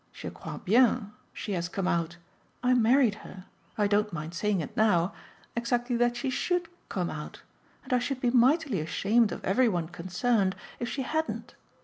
Je crois bien, she has come out! I married her I don't mind saying it now exactly that she SHOULD come out, and I should be mightily ashamed of every one concerned if she hadn't.